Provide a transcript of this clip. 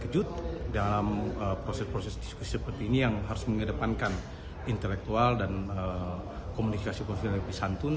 kejut dalam proses proses diskusi seperti ini yang harus mengedepankan intelektual dan komunikasi komunikasi yang lebih santun